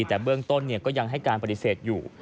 แต่เบื้องต้นก็ยังให้การปฏิเสธอยู่